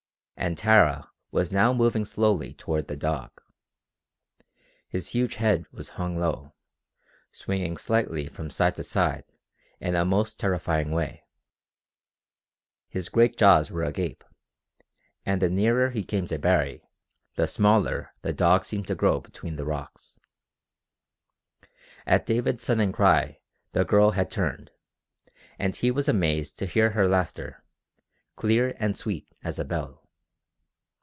And Tara was now moving slowly toward the dog! His huge head was hung low, swinging slightly from side to side in a most terrifying way; his great jaws were agape, and the nearer he came to Baree the smaller the dog seemed to grow between the rocks. At David's sudden cry the girl had turned, and he was amazed to hear her laughter, clear and sweet as a bell.